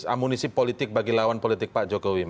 amunisi politik bagi lawan politik pak jokowi